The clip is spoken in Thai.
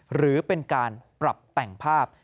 หรือเป็นการปรับแต่งภาพ